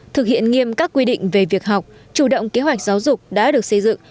thực hiện nghiêm các quy định về việc học chủ động kế hoạch giáo dục đã được xây dựng